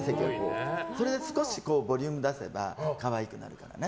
それで少しボリュームを出せば可愛くなる。